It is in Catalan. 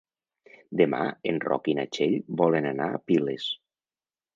Demà en Roc i na Txell volen anar a Piles.